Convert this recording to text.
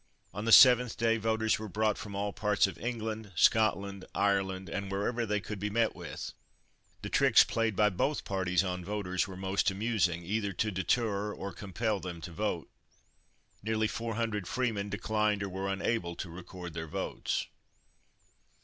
On the seventh day voters were brought from all parts of England, Scotland, Ireland, and wherever they could be met with. The tricks played by both parties on voters were most amusing, either to deter or compel them to vote. Nearly four hundred freemen declined or were unable to record their votes.